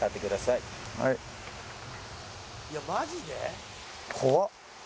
「いやマジで？」